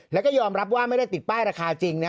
แล้วก็ยอมรับว่าไม่ได้ติดป้ายราคาจริงนะ